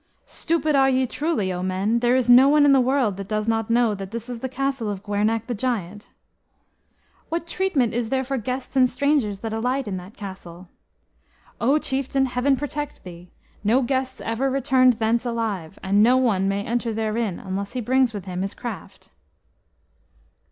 "Stupid are ye, truly, O men! There is no one in the world that does not know that this is the castle of Gwernach the Giant." "What treatment is there for guests and strangers that alight in that castle?" "O chieftain, Heaven protect thee! No guests ever returned thence alive, and no one may enter therein unless he brings with him his craft."